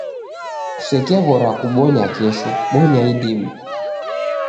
Kusekeghora kubonya kesho, bonya idime